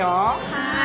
はい。